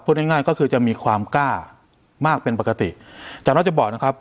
พูดง่ายง่ายก็คือจะมีความกล้ามากเป็นปกติจำน็อตจะบอกนะครับ